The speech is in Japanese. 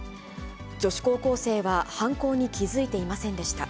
女子高校生は犯行に気付いていませんでした。